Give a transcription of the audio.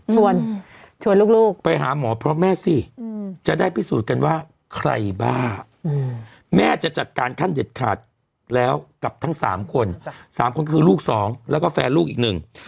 ชวนชวนลูกลูกไปหาหมอพร้อมแม่สิจะได้พิสูจน์กันว่าใครบ้าแม่จะจัดการขั้นเด็ดขาดแล้วกับทั้งสามคนสามคนคือลูกสองแล้วก็แฟนลูกอีกหนึ่ง